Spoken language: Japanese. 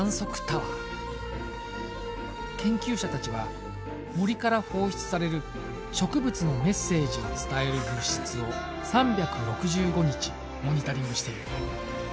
研究者たちは森から放出される植物のメッセージを伝える物質を３６５日モニタリングしている。